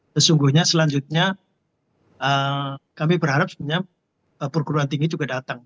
sesungguhnya selanjutnya kami berharap sebenarnya perguruan tinggi juga datang